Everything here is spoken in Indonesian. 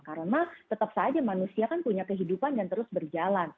karena tetap saja manusia kan punya kehidupan dan terus berjalan